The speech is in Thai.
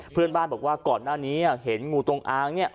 เพื่อนบ้านบอกว่าก่อนหน้านี้เห็นงูจงอางเนี่ย